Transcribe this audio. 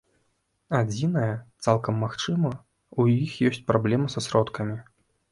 Адзінае, цалкам магчыма, у іх ёсць праблемы са сродкамі.